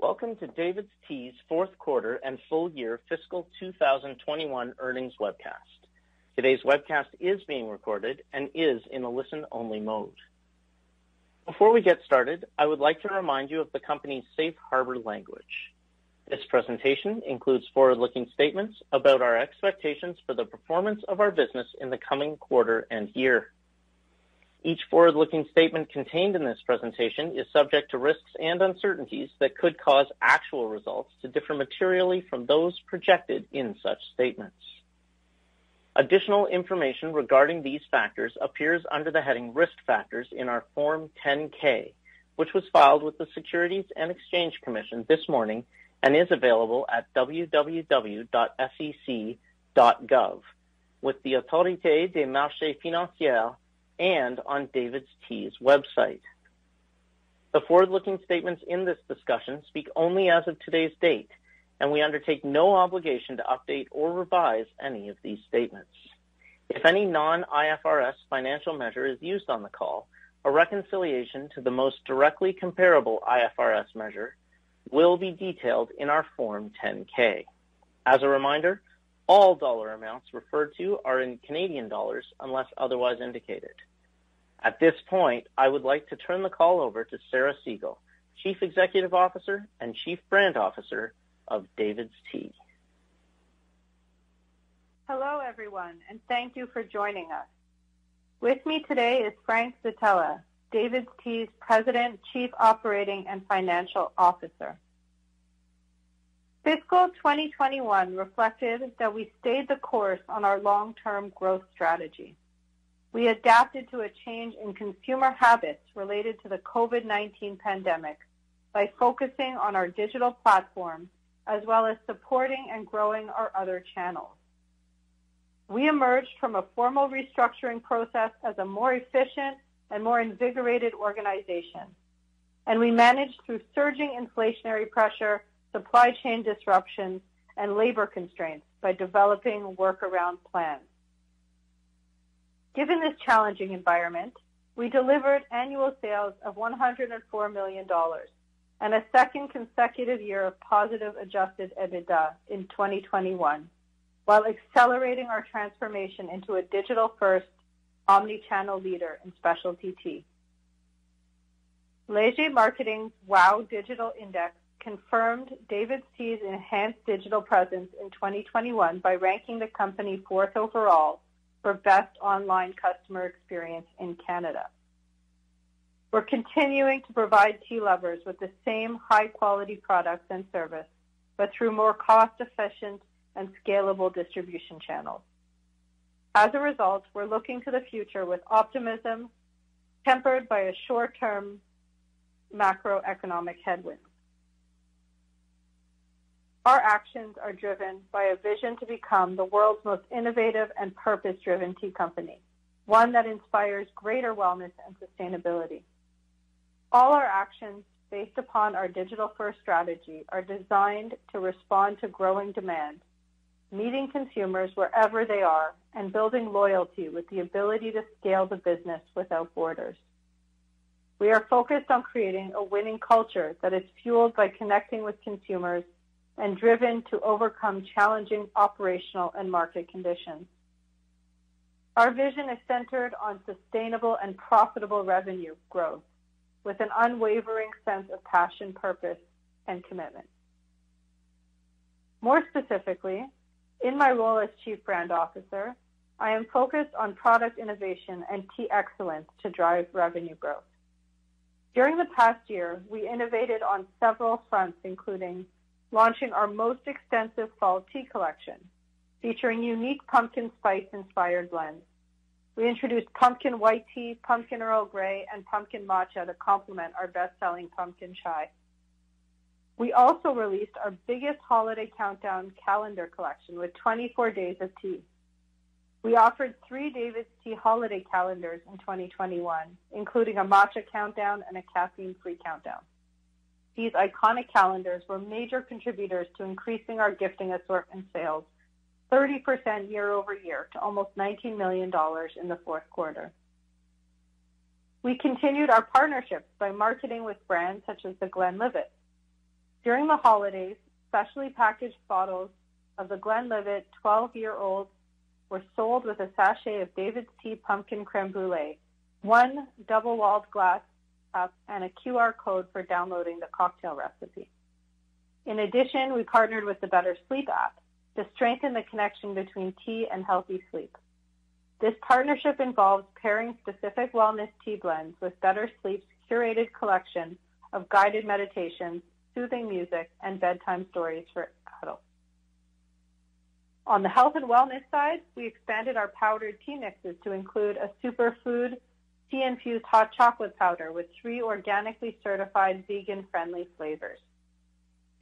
Welcome to DAVIDsTEA's fourth quarter and full year fiscal 2021 earnings webcast. Today's webcast is being recorded and is in a listen-only mode. Before we get started, I would like to remind you of the company's safe harbor language. This presentation includes forward-looking statements about our expectations for the performance of our business in the coming quarter and year. Each forward-looking statement contained in this presentation is subject to risks and uncertainties that could cause actual results to differ materially from those projected in such statements. Additional information regarding these factors appears under the heading Risk Factors in our Form 10-K, which was filed with the Securities and Exchange Commission this morning and is available at www.sec.gov, with the Autorité des marchés financiers, and on DAVIDsTEA's website. The forward-looking statements in this discussion speak only as of today's date. We undertake no obligation to update or revise any of these statements. If any non-IFRS financial measure is used on the call, a reconciliation to the most directly comparable IFRS measure will be detailed in our Form 10-K. As a reminder, all dollar amounts referred to are in Canadian dollars unless otherwise indicated. At this point, I would like to turn the call over to Sarah Segal, Chief Executive Officer and Chief Brand Officer of DAVIDsTEA. Hello, everyone, and thank you for joining us. With me today is Frank Zitella, DAVIDsTEA's President, Chief Operating and Financial Officer. Fiscal 2021 reflected that we stayed the course on our long-term growth strategy. We adapted to a change in consumer habits related to the COVID-19 pandemic by focusing on our digital platform, as well as supporting and growing our other channels. We emerged from a formal restructuring process as a more efficient and more invigorated organization, and we managed through surging inflationary pressure, supply chain disruptions, and labor constraints by developing workaround plans. Given this challenging environment, we delivered annual sales of 104 million dollars and a second consecutive year of positive adjusted EBITDA in 2021 while accelerating our transformation into a digital-first, omni-channel leader in specialty tea. Léger Marketing's WOW Digital Index confirmed DAVIDsTEA's enhanced digital presence in 2021 by ranking the company fourth overall for best online customer experience in Canada. We're continuing to provide tea lovers with the same high-quality products and service, through more cost-efficient and scalable distribution channels. As a result, we're looking to the future with optimism tempered by a short-term macroeconomic headwind. Our actions are driven by a vision to become the world's most innovative and purpose-driven tea company, one that inspires greater wellness and sustainability. All our actions based upon our digital-first strategy are designed to respond to growing demand, meeting consumers wherever they are, and building loyalty with the ability to scale the business without borders. We are focused on creating a winning culture that is fueled by connecting with consumers and driven to overcome challenging operational and market conditions. Our vision is centered on sustainable and profitable revenue growth with an unwavering sense of passion, purpose, and commitment. More specifically, in my role as Chief Brand Officer, I am focused on product innovation and tea excellence to drive revenue growth. During the past year, we innovated on several fronts, including launching our most extensive fall tea collection, featuring unique pumpkin spice-inspired blends. We introduced Pumpkin White Tea, Pumpkin Earl Grey, and Pumpkin Pie Matcha to complement our best-selling Pumpkin Chai. We also released our biggest holiday countdown calendar collection with 24 Days of Tea. We offered three DAVIDsTEA holiday calendars in 2021, including a matcha countdown and a caffeine-free countdown. These iconic calendars were major contributors to increasing our gifting assortment sales 30% year-over-year to almost 19 million dollars in the fourth quarter. We continued our partnerships by marketing with brands such as The Glenlivet. During the holidays, specially packaged bottles of The Glenlivet 12 Year Old were sold with a sachet of DAVIDsTEA Pumpkin Crème Brûlée, one double-walled glass cup, and a QR code for downloading the cocktail recipe. In addition, we partnered with the BetterSleep app to strengthen the connection between tea and healthy sleep. This partnership involves pairing specific wellness tea blends with BetterSleep's curated collection of guided meditations, soothing music, and bedtime stories for adults. On the health and wellness side, we expanded our powdered tea mixes to include a superfood tea-infused hot chocolate powder with three organically certified vegan-friendly flavors.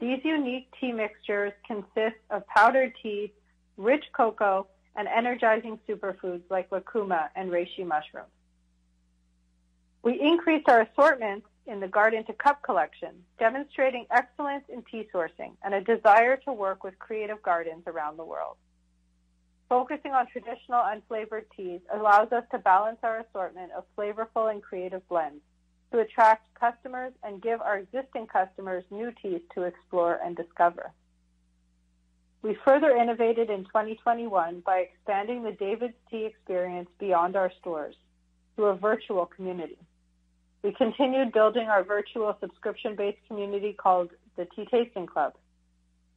These unique tea mixtures consist of powdered tea, rich cocoa, and energizing superfoods like lucuma and reishi mushroom. We increased our assortment in the Garden to Cup collection, demonstrating excellence in tea sourcing and a desire to work with creative gardens around the world. Focusing on traditional unflavored teas allows us to balance our assortment of flavorful and creative blends to attract customers and give our existing customers new teas to explore and discover. We further innovated in 2021 by expanding the DAVIDsTEA experience beyond our stores through a virtual community. We continued building our virtual subscription-based community called the Tea Tasting Club.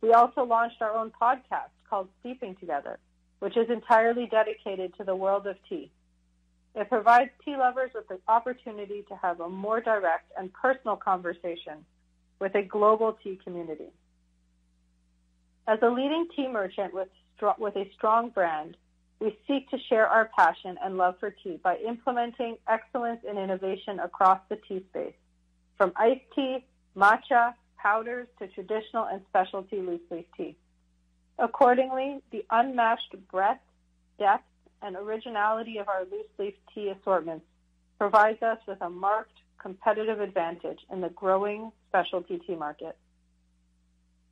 We also launched our own podcast called "Steeping Together," which is entirely dedicated to the world of tea. It provides tea lovers with the opportunity to have a more direct and personal conversation with a global tea community. As a leading tea merchant with a strong brand, we seek to share our passion and love for tea by implementing excellence and innovation across the tea space, from iced tea, matcha, powders, to traditional and specialty loose leaf tea. Accordingly, the unmatched breadth, depth, and originality of our loose leaf tea assortments provides us with a marked competitive advantage in the growing specialty tea market.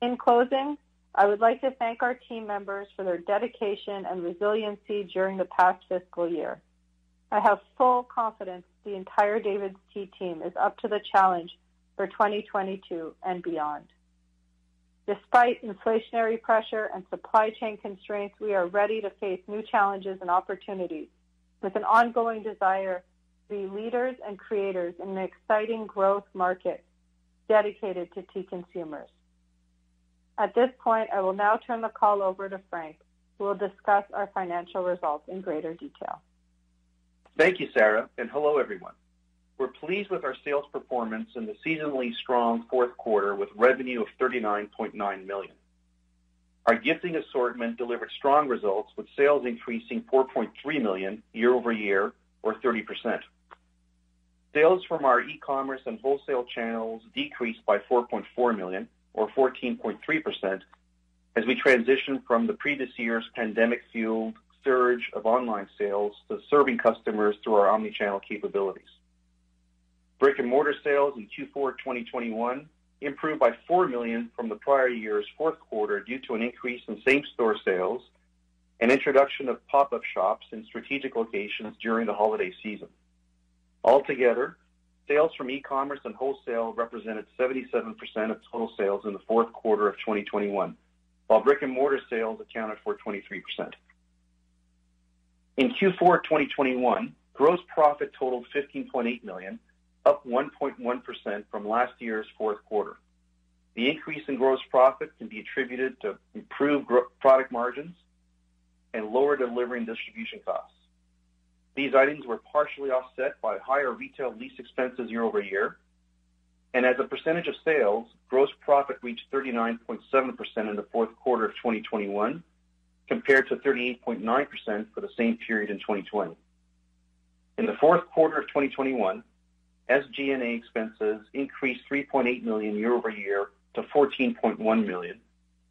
In closing, I would like to thank our team members for their dedication and resiliency during the past fiscal year. I have full confidence the entire DAVIDsTEA team is up to the challenge for 2022 and beyond. Despite inflationary pressure and supply chain constraints, we are ready to face new challenges and opportunities with an ongoing desire to be leaders and creators in an exciting growth market dedicated to tea consumers. At this point, I will now turn the call over to Frank, who will discuss our financial results in greater detail. Thank you, Sarah. Hello, everyone. We're pleased with our sales performance in the seasonally strong fourth quarter, with revenue of 39.9 million. Our gifting assortment delivered strong results with sales increasing 4.3 million year-over-year, or 30%. Sales from our e-commerce and wholesale channels decreased by 4.4 million, or 14.3%, as we transition from the previous year's pandemic-fueled surge of online sales to serving customers through our omni-channel capabilities. Brick-and-mortar sales in Q4 2021 improved by 4 million from the prior year's fourth quarter due to an increase in same-store sales and introduction of pop-up shops in strategic locations during the holiday season. Altogether, sales from e-commerce and wholesale represented 77% of total sales in the fourth quarter of 2021, while brick-and-mortar sales accounted for 23%. In Q4 2021, gross profit totaled 15.8 million, up 1.1% from last year's fourth quarter. The increase in gross profit can be attributed to improved product margins and lower delivery and distribution costs. These items were partially offset by higher retail lease expenses year-over-year, and as a percentage of sales, gross profit reached 39.7% in the fourth quarter of 2021 compared to 38.9% for the same period in 2020. In the fourth quarter of 2021, SG&A expenses increased 3.8 million year-over-year to 14.1 million,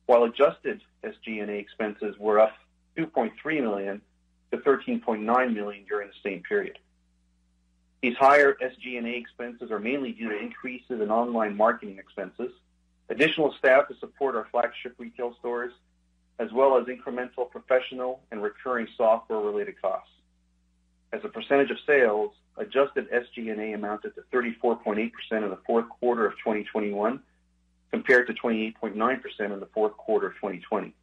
while adjusted SG&A expenses were up 2.3 million to 13.9 million during the same period. These higher SG&A expenses are mainly due to increases in online marketing expenses, additional staff to support our flagship retail stores, as well as incremental professional and recurring software-related costs. As a percentage of sales, adjusted SG&A amounted to 34.8% in the fourth quarter of 2021 compared to 28.9% in the fourth quarter of 2020.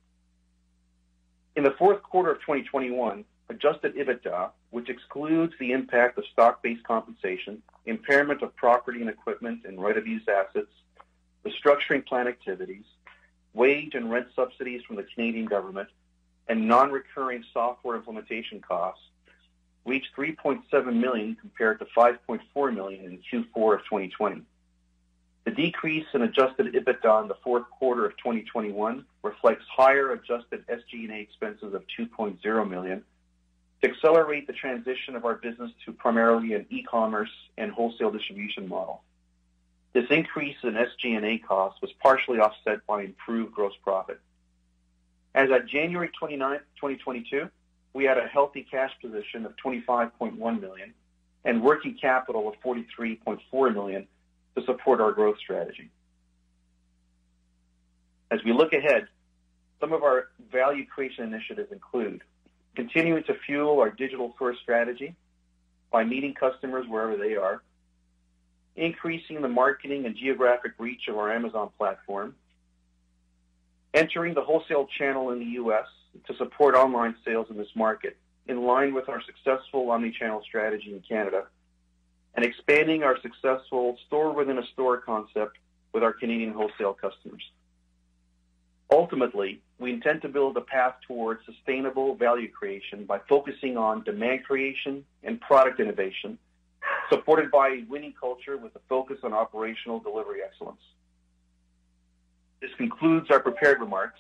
In the fourth quarter of 2021, adjusted EBITDA, which excludes the impact of stock-based compensation, impairment of property and equipment and right-of-use assets, restructuring plan activities, wage and rent subsidies from the Canadian government, and non-recurring software implementation costs, reached 3.7 million compared to 5.4 million in Q4 of 2020. The decrease in adjusted EBITDA in the fourth quarter of 2021 reflects higher adjusted SG&A expenses of 2.0 million to accelerate the transition of our business to primarily an e-commerce and wholesale distribution model. This increase in SG&A cost was partially offset by improved gross profit. As at January 29th, 2022, we had a healthy cash position of 25.1 million and working capital of 43.4 million to support our growth strategy. As we look ahead, some of our value creation initiatives include continuing to fuel our digital-first strategy by meeting customers wherever they are, increasing the marketing and geographic reach of our Amazon platform, entering the wholesale channel in the U.S. to support online sales in this market, in line with our successful omni-channel strategy in Canada, and expanding our successful store-within-a-store concept with our Canadian wholesale customers. Ultimately, we intend to build a path towards sustainable value creation by focusing on demand creation and product innovation, supported by a winning culture with a focus on operational delivery excellence. This concludes our prepared remarks.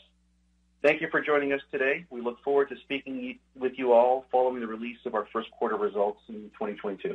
Thank you for joining us today. We look forward to speaking with you all following the release of our first quarter results in 2022.